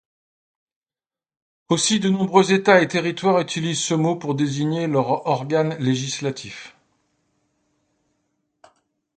Aussi, de nombreux États et territoires utilisent ce mot pour désigner leur organe législatif.